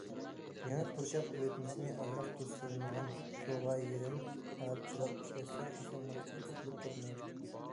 يېڭى پۇرچاق ئۇيۇتمىسىنى ئازراق تۇز سېلىنغان سۇغا يېرىم سائەت چىلاپ ئىشلەتسە ئاسانلىقچە تىتىلىپ كەتمەيدۇ.